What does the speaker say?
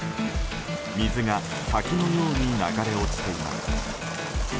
水が滝のように流れ落ちています。